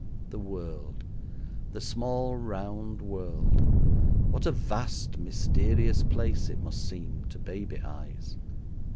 The world the small round world! what a vast mysterious place it must seem to baby eyes!